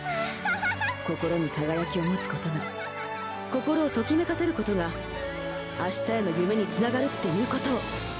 心に輝きを持つことが心をときめかせることが明日への夢につながるっていうことを。